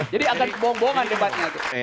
jadi agak kebohong bohongan debatnya itu